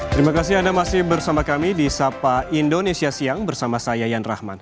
terima kasih anda masih bersama kami di sapa indonesia siang bersama saya yan rahman